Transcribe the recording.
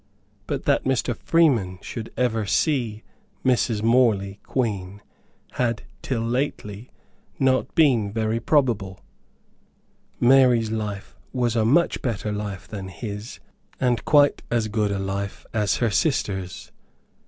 But that Mr. Freeman should ever see Mrs. Morley Queen had till lately been not very probable. Mary's life was a much better life than his, and quite as good a life as her sister's.